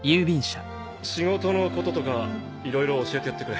仕事のこととかいろいろ教えてやってくれ。